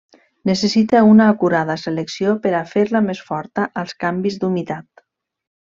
Necessita una acurada selecció per a fer-la més forta als canvis d'humitat.